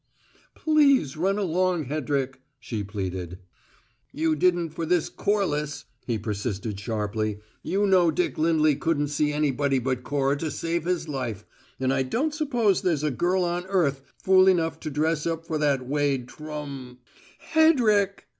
"Please run along, Hedrick," she pleaded. "You didn't for this Corliss," he persisted sharply. "You know Dick Lindley couldn't see anybody but Cora to save his life, and I don't suppose there's a girl on earth fool enough to dress up for that Wade Trum " "Hedrick!"